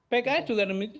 pks juga demikian